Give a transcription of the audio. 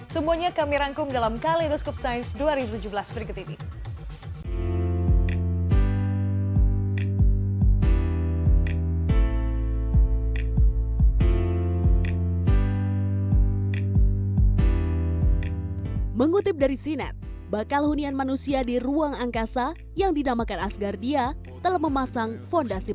semuanya kami rangkum dalam kalendoskop sains dua ribu tujuh belas